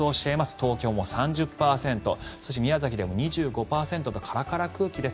東京も３０％そして、宮崎でも２５％とカラカラ空気です。